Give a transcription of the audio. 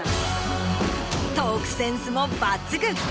トークセンスも抜群！